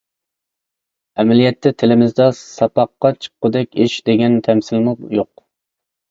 ئەمەلىيەتتە تىلىمىزدا «ساپاققا چىققۇدەك ئىش» دېگەن تەمسىلمۇ يوق.